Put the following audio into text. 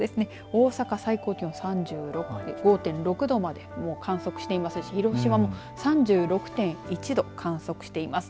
大阪、最高気温３５．６度までもう観測していますし、広島も３６．１度、観測しています。